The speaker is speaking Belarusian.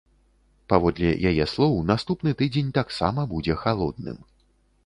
Паводле яе слоў, наступны тыдзень таксама будзе халодным.